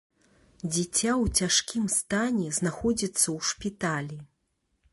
Дзіця ў цяжкім стане знаходзіцца ў шпіталі.